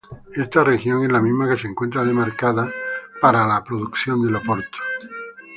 Esta región es la misma que se encuentra demarcada para la producción del oporto.